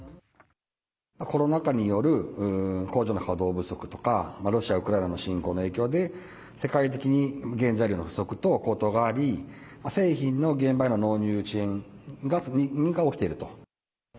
コロナ禍による工場の稼働不足とか、ロシア、ウクライナの侵攻の影響で、世界的に原材料の不足と高騰があり、製品の現場への納入遅延が起きていると。